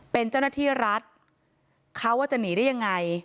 เป็นเจ้าหน้าที่รัฐเขาว่าจะหนีได้ยังไง